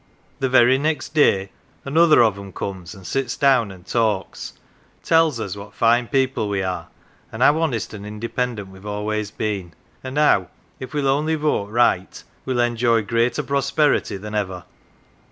"The very next day another of 'em comes, and sits down and talks. Tells us what fine people we are, and how honest and independent we've always been, and how if we'll only vote right we'll enjoy greater pros perity than ever.